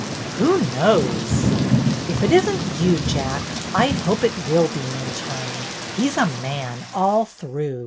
"Who knows!" "If it isn't you. Jack, I hope it will be Minturne. He 's a man all through.